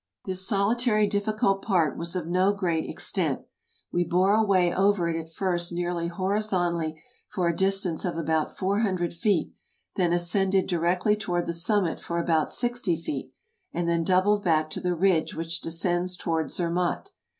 This solitary difficult part was of no great extent. We bore away over it at first nearly horizontally, for a distance of about four hundred feet, then ascended directly toward the summit for about sixty feet, and then doubled back to the ridge which descends toward Zermatt.